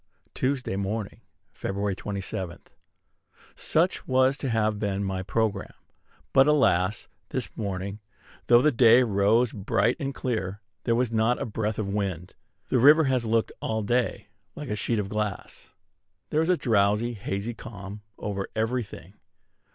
Tuesday Morning, Feb. 27. Such was to have been my programme; but, alas! this morning, though the day rose bright and clear, there was not a breath of wind. The river has looked all day like a sheet of glass. There is a drowsy, hazy calm over every thing.